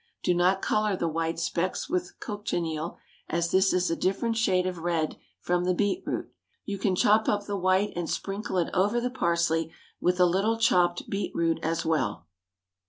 Do not colour the white specks with cochineal, as this is a different shade of red from the beet root. You can chop up the white and sprinkle it over the parsley with a little chopped beet root as well.